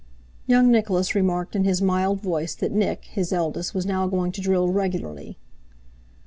Young Nicholas remarked in his mild voice that Nick (his eldest) was now going to drill regularly.